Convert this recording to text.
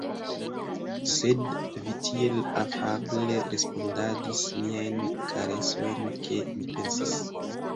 Sed vi tiel afable respondadis miajn karesojn, ke mi pensis.